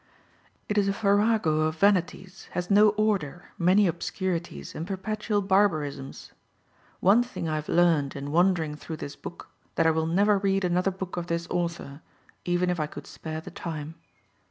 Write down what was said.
It is a farrago of vanities, has no order, many obscurities, and perpetual barbarisms. One thing I have learned in wandering through this book, that I will never read another book of this author, even if I could spare the time."